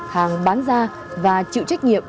hàng bán ra và chịu trách nhiệm